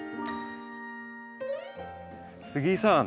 杉井さん。